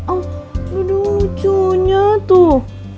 oh lucunya tuh